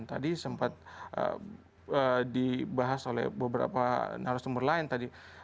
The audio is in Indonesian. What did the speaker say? tadi sempat dibahas oleh beberapa narasumber lain tadi